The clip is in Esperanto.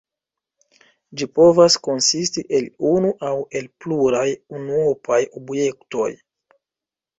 Ĝi povas konsisti el unu aŭ el pluraj unuopaj objektoj.